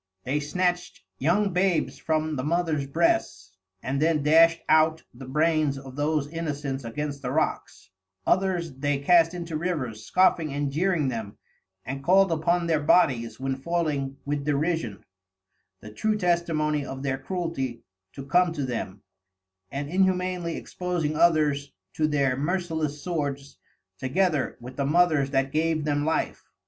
They snatcht young Babes from the Mothers Breasts, and then dasht out the brains of those innocents against the Rocks; others they cast into Rivers scoffing and jeering them, and call'd upon their Bodies when falling with derision, the true testimony of their Cruelty, to come to them, and inhumanely exposing others to their Merciless Swords, together with the Mothers that gave them Life.